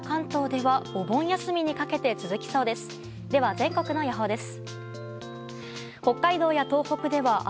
では全国の予報です。